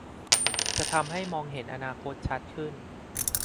จะทำให้มองเห็นอนาคตชัดขึ้น